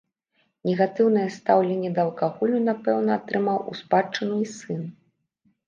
Негатыўнае стаўленне да алкаголю, напэўна, атрымаў у спадчыну і сын.